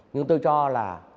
nhưng tôi cho là